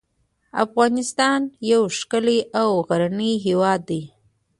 افغانستان یو ښکلی او غرنی هیواد دی .